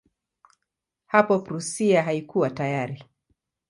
Hapo Prussia haikuwa tayari.